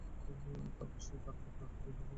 তারপর সে তাদের উপর তার ডান হাত দিয়ে প্রচণ্ড আঘাত হানল।